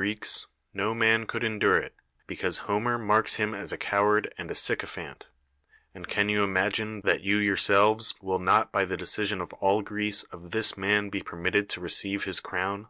reeks, no man could endure it, beciuise Homer marks hira as a coward and a sycophant: and can you imaij ine that you yourselves will not by the decision of all Greece of this man be permitted to receive his crown?